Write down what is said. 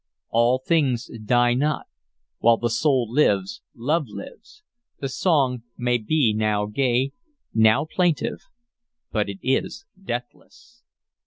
All things die not: while the soul lives, love lives: the song may be now gay, now plaintive, but it is deathless.